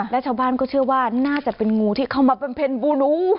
และชาวบ้านก็เชื่อว่าน่าจะเป็นงูที่เข้ามาเป็นเพ็ญบูหนู